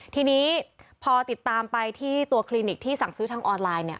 ทีนี้พอติดตามไปที่โครงคลินิคที่สั่งซื้อทางออนไลน์